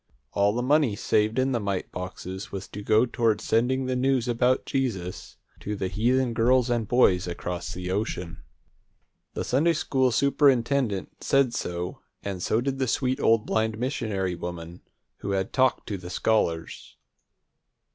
All the money saved in the mite boxes was to go toward sending the news about Jesus to the heathen girls and boys across the ocean. The Sunday school superintendent said so, and so did the sweet old blind missionary woman, who had talked to the scholars.